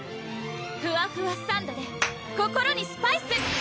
ふわふわサンドｄｅ心にスパイス！